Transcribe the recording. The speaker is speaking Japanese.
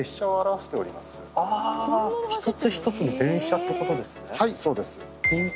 一つ一つの電車ってことですよね。